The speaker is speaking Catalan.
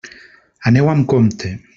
Aneu amb compte!